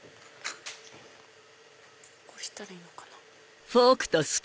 こうしたらいいのかな。